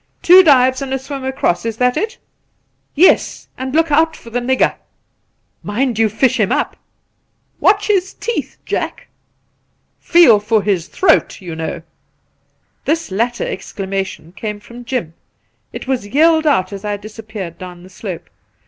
Two dives and a swim across — is that it V ' Yes, and look out for the nigger !'' Mind you fish him up I' ' Watch his teeth, Jack !'' Feel for his throat, you know !' This latter exclamation came from Jim ; it was yelled out as I disappeared down the slope.